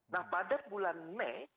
nah pada bulan mei